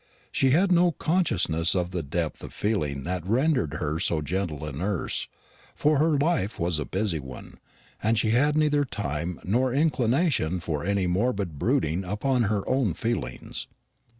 She had no consciousness of the depth of feeling that rendered her so gentle a nurse; for her life was a busy one, and she had neither time nor inclination for any morbid brooding upon her own feelings.